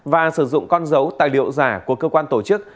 và sử dụng con dấu tài liệu giả của cơ quan tổ chức